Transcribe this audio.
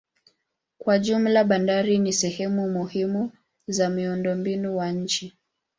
Kwa jumla bandari ni sehemu muhimu za miundombinu wa nchi.